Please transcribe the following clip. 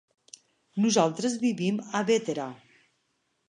Nosaltres vivim a Bétera.